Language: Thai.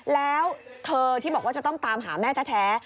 แล้วเธอที่บอกว่าจะต้องตามหาแม่แท้